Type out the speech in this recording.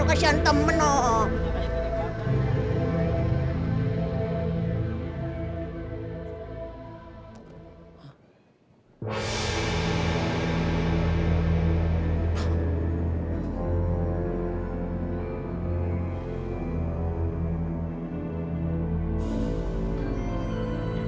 kalo kasihan temen oh